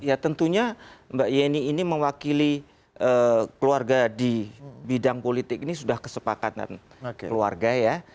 ya tentunya mbak yeni ini mewakili keluarga di bidang politik ini sudah kesepakatan keluarga ya